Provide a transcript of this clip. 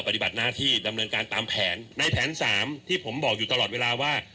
ปฏิบัติหน้าที่ดำเนินการตามแผนในแผนสามที่ผมบอกอยู่ตลอดเวลาว่า